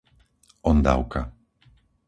Ondavka